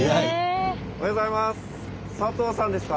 おはようございます。